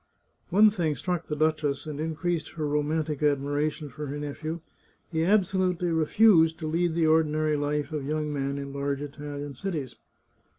One thing struck the duchess and increased her romantic admiration for her nephew; he absolutely refused to lead the ordinary life of young men in large Italian cities.